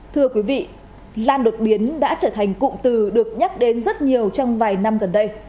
thưa quý vị lan đột biến đã trở thành cụm từ được nhắc đến rất nhiều trong vài năm gần đây